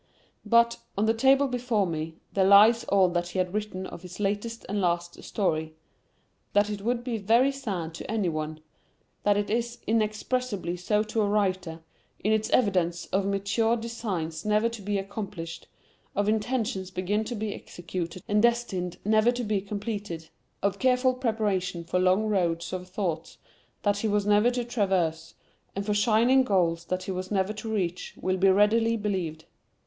But, on the table before me, there lies all that he had written of his latest and last story. That it would be very sad to any one—that it is inexpressibly so to a writer—in its evidences of matured designs never to be accomplished, of intentions begun to be executed and destined never to be completed, of careful preparation for long roads of thought that he was never to traverse, and for shining goals that he was never to reach, will be readily believed.